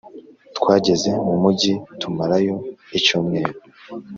twageze mu mujyi, tumarayo icyumweru.